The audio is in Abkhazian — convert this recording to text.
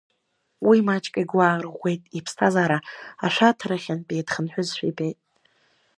Уи маҷк игәы аарӷәӷәеит, иԥсҭазаара ашәарҭарахьынтәи дхынҳәызшәа ибеит.